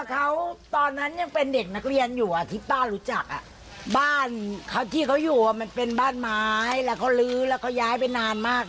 จนตอนนี้ก็ได้ถ่าว่าเค้าไปเป็นทหารแต่เรื่องอื่นก็ไม่รู้